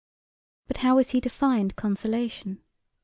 But how was he to find consolation?